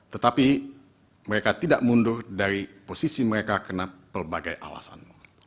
tetapi mereka tidak mundur dari posisi mereka kena pelebagai alasan